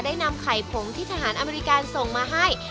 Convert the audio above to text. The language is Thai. นำไข่ผงที่ทหารอเมริกาส่งมาให้